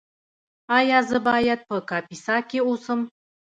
ایا زه باید په کاپیسا کې اوسم؟